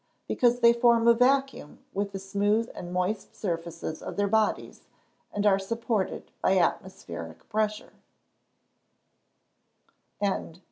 _ Because they form a vacuum with the smooth and moist surfaces of their bodies, and are supported by atmospheric pressure.